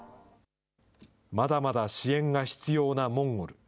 まだまだ支援が必要なモンゴル。